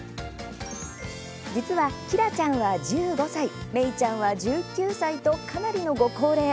実は、キラちゃんは１５歳メイちゃんは１９歳とかなりのご高齢。